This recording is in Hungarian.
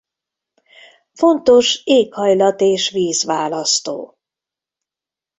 Fontos éghajlat- és vízválasztó.